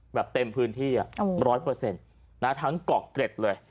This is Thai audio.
แบบเต็มพื้นที่อ่ะร้อยเปอร์เซ็นต์นะฮะทั้งเกาะเก็ดเลย